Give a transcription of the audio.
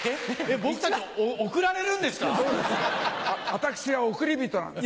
私は送り人なんです。